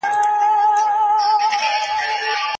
کمپيوټر کور لېټر ليکي.